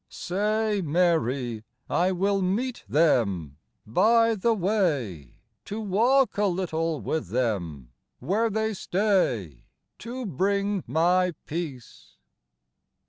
Say, Mary, I will meet them : by the way, To walk a little with them ; where they stay, To bring My peace.